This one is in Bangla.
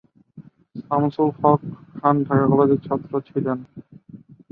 শামসুল হক খান ঢাকা কলেজের ছাত্র ছিলেন।